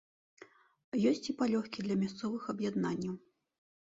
Ёсць і палёгкі для мясцовых аб'яднанняў.